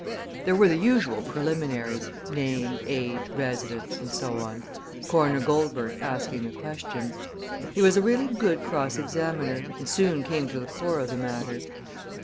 There were the usual preliminaries, name, age, residence, and so on, Coroner Goldberg asking the questions. He was a really good cross examiner, and soon came to the core of the matter.